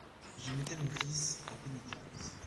J'y mettais mon fils en pénitence.